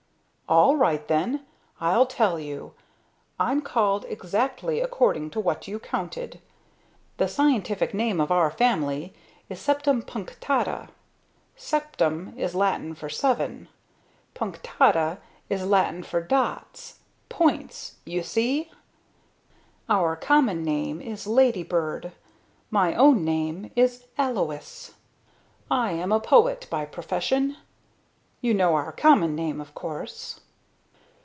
All right then, I'll tell you. I'm called exactly according to what you counted. The scientific name of our family is Septempunctata. Septem is Latin for seven, punctata is Latin for dots, points, you see. Our common name is ladybird, my own name is Alois, I am a poet by profession. You know our common name, of course."